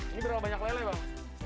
ini berapa banyak lele bang